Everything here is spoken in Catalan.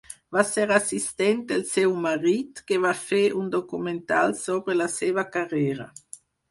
Va ser assistent del seu marit, que va fer un documental sobre la seva carrera.